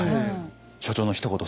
所長のひと言